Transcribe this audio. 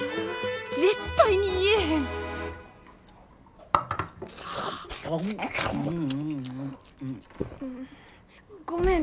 絶対に言えへんごめん